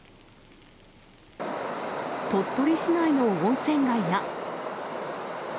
鳥取市内の温泉街や。